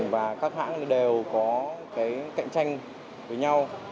và các hãng đều có cái cạnh tranh với nhau